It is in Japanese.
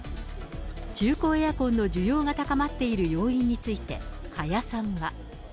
中古エアコンの需要が高まっている要因について、加谷さんは。